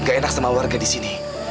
gak enak sama warga disini